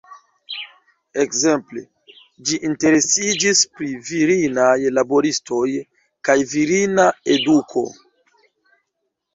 Ekzemple, ĝi interesiĝis pri virinaj laboristoj, kaj virina eduko.